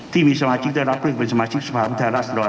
ที่มีสมาชิกได้รับเลือกเป็นสมาชิกสภาพผู้แทนรัศดร